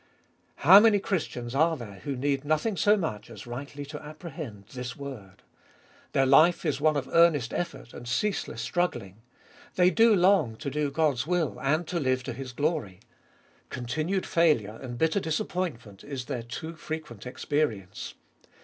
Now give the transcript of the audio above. How many Christians are there who need nothing so much as rightly to apprehend this word. Their life is one of earnest effort and ceaseless struggling. They do long to do God's will, fboltest of Bll 153 and to live to His glory. Continued failure and bitter disap pointment is their too frequent experience.